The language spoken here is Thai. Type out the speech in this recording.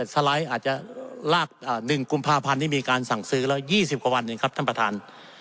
สไลด์อาจจะลาก๑กุมภาพันธ์นี้มีการสั่งซื้อแล้ว๒๐กว่าวันหนึ่งครับท่านประธาน